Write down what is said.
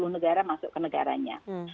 negara masuk ke negaranya